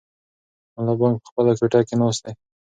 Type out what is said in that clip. ملا بانګ په خپله کوټه کې ناست دی.